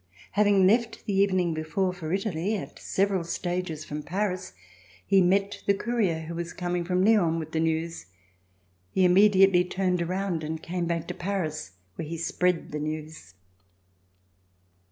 Having left the evening before for Italy, at several stages from Paris, he met the courier who was coming from Lyon with the news. He immediately turned around and came back to Paris where he spread the news.